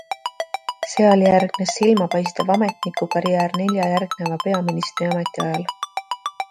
Seal järgnes silmapaistev ametnikukarjäär nelja järgneva peaministri ametiajal.